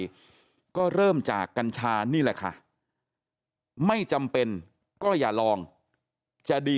ด้วยก็เริ่มจากกัญชานี่แหละค่ะไม่จำเป็นก็อย่าลองจะดี